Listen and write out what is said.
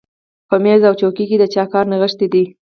په مېز او څوکۍ کې د چا کار نغښتی دی